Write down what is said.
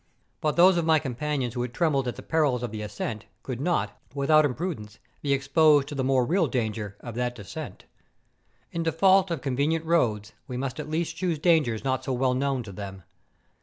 But those of my companions who had trembled at the perils of the ascent, could not, without imprud¬ ence be exposed to the more real danger of that descent. In default of convenient roads we must at least choose dangers not so well known to them.